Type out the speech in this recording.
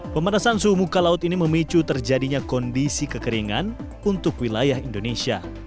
pemanasan suhu muka laut ini memicu terjadinya kondisi kekeringan untuk wilayah indonesia